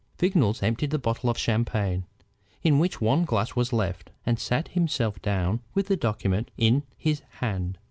Vignolles emptied the bottle of champagne, in which one glass was left, and sat himself down with the document in his hand.